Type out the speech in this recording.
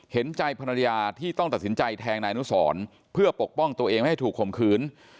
เห็นใจภรรยาที่ต้องตัดสินใจแทงนายอนุสรเพื่อปกป้องตัวเองไม่ให้ถูกข่มขืน